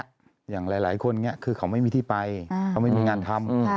อย่างหลายคนคือเขาไม่มีที่ไปเขาไม่มีงานทำ